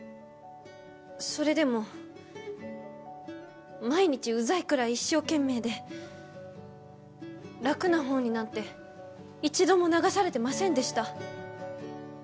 それでも毎日うざいくらい一生懸命で楽なほうになんて一度も流されてませんでした。